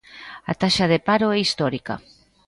A taxa de paro é histórica.